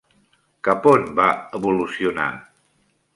Cap on va evolucionar?